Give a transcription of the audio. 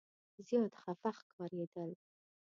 زیات خفه ښکارېد.